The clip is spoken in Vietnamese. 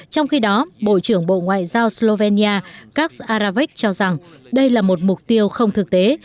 trong khi đó bộ trưởng bộ ngoại giao slovenia kas aravek cho rằng đây là một mục tiêu không thực tế